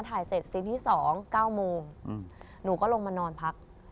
ถ่ายเสร็จซีนที่๒๙โมงหนูก็ลงมานอนพัก